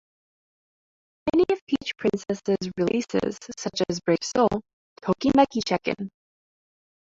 Many of Peach Princess' releases, such as "Brave Soul", "Tokimeki Check-In!